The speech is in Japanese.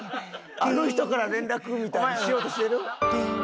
「あの人から連絡」みたいにしようとしてる？